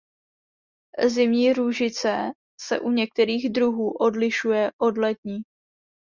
Zimní růžice se u některých druhů odlišuje od letní.